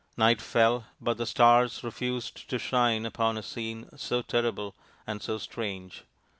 Night fell, but the stars refused to shine upon a scene so terrible and 30 strange.